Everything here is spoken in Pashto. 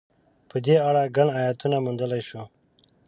په دې اړه ګڼ ایتونه موندلای شو.